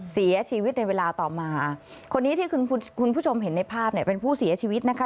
เสียชีวิตในเวลาต่อมาคนนี้ที่คุณผู้ชมเห็นในภาพเนี่ยเป็นผู้เสียชีวิตนะคะ